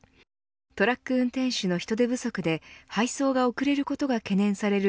トラック運転手の人手不足で配送が遅れることが懸念される